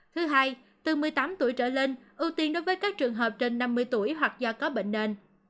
thứ hai từ một mươi tám tuổi trở lên ưu tiên đối với các trường hợp trên năm mươi tuổi hoặc do có bệnh nền